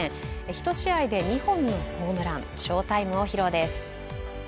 １試合で２本のホームラン、翔タイムを披露です。